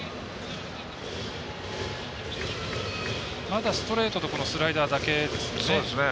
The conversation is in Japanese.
まだストレートとスライダーだけですね。